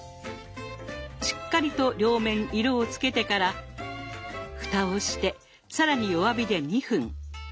しっかりと両面色をつけてから蓋をして更に弱火で２分。